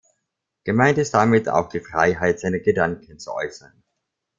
Gemeint ist damit auch die Freiheit, seine Gedanken zu äußern.